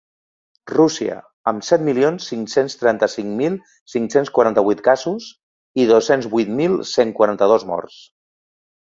Rússia, amb set milions cinc-cents trenta-cinc mil cinc-cents quaranta-vuit casos i dos-cents vuit mil cent quaranta-dos morts.